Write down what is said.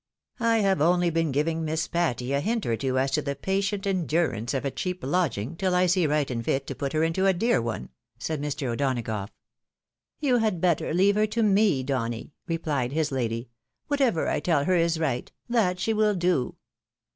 "" I have only been giving Miss Patty a hint or two as to the patient endurance of a cheap lodging, tiU I see right and fit to put her into a dear one," said Mr. O'Donagough. " You had better leave her to me, Donny," replied his lady; " whatever I teU her is right, that she wiU do."